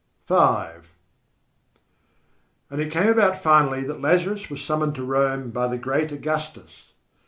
V And it came about finally that Lazarus was summoned to Rome by the great Augustus.